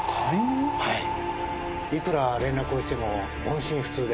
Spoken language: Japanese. いくら連絡をしても音信不通で。